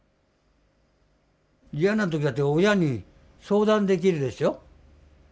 嫌な時だって親に相談できるでしょ。